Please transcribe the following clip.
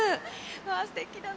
すてきだな。